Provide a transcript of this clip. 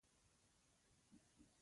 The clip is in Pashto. په جنګي کلا کې يې محبوبيت ډېر شوی و.